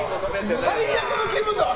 最悪の気分だわ！